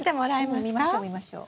見ましょう見ましょう。